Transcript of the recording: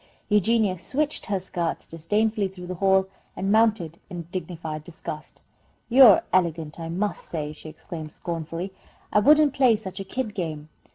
Eugenia switched her skirts disdainfully through the hall, and mounted in dignified disgust. "You're elegant, I must say!" she exclaimed, scornfully. "I wouldn't play such a kid game!"